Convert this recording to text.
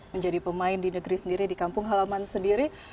menjadi pemain di negeri sendiri di kampung halaman sendiri